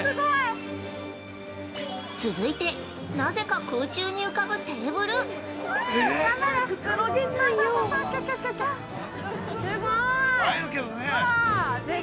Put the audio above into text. ◆続いて、なぜか空中に浮かぶテーブル◆頑張れ。